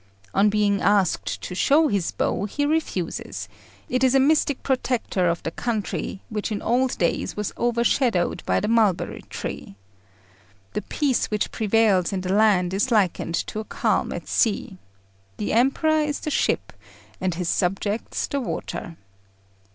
On being asked to show his bow, he refuses; it is a mystic protector of the country, which in old days was overshadowed by the mulberry tree. The peace which prevails in the land is likened to a calm at sea. The Emperor is the ship, and his subjects the water.